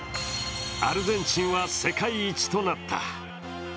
アルゼンチンは世界一となった。